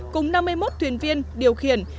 cùng năm mươi một thuyền viên điều khiển